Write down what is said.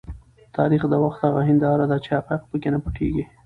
تاریخ د وخت هغه هنداره ده چې حقایق په کې نه پټیږي.